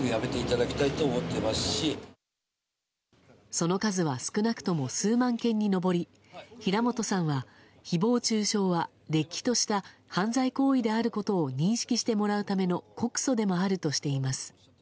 その数は少なくとも数万件に上り平本さんは誹謗中傷は、れっきとした犯罪行為であることを認識してもらうための告訴でもあるとしています。